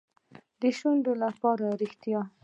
د شونډو لپاره ریښتیا.